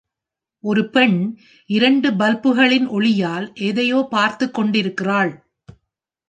ஒரு பெண் இரண்டு பல்புகளின் ஒளியால் எதையோ பார்த்துக் கொண்டிருக்கிறாள்.